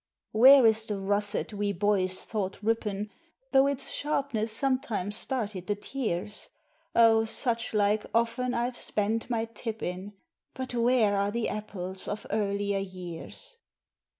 Where is the Russet we boys thought rippin'? (Though its sharpness sometimes started the tears?) Oh! such like often I've spent my "tip" in But where are the apples of earlier years?